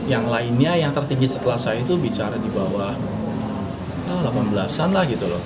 yang lainnya yang tertinggi setelah saya itu bicara di bawah delapan belas an lah gitu loh